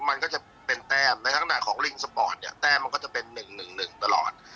มันก็จะเป็นแต้มในลักษณะของลิงสปอร์ตเนี่ยแต้มมันก็จะเป็น๑๑๑ตลอด